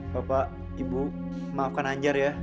bapak ibu maafkan ajar ya